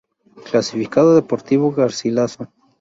Clasificado: Deportivo Garcilaso.